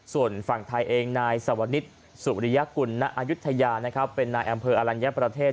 ส่วนฝั่งไทยเองนายสวนิทสุริยกุลณอายุทยานะครับเป็นนายอำเภออลัญญประเทศ